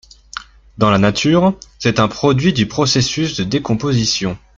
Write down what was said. Dans la nature, c'est un produit du processus de décomposition.